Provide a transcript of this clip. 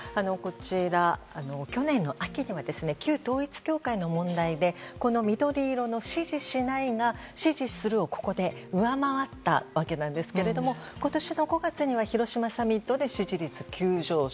去年の秋には旧統一教会の問題でこの緑色の支持しないが支持するをここで上回ったわけですが今年の５月には広島サミットで支持率急上昇。